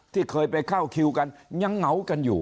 ที่เคยไปเข้าคิวกันยังเหงากันอยู่